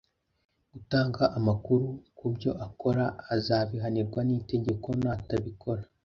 gutanga amakuru ku byo akora azabihanirwa n’itegeko, natabikora